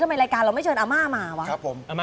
ทำไมรายการเราไม่เชิญอาม่ามา